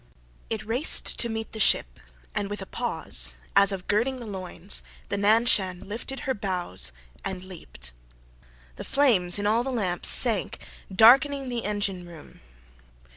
It raced to meet the ship, and, with a pause, as of girding the loins, the Nan Shan lifted her bows and leaped. The flames in all the lamps sank, darkening the engine room.